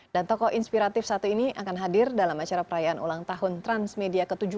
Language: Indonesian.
dan tokoh inspiratif satu ini akan hadir dalam acara perayaan ulang tahun transmedia ke tujuh belas